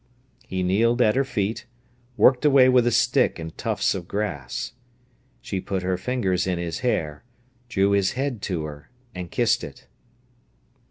He kneeled at her feet, worked away with a stick and tufts of grass. She put her fingers in his hair, drew his head to her, and kissed it.